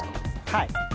はい。